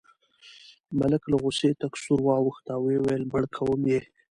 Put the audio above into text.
ملک له غوسې تک سور واوښت او وویل مړ کوم یې.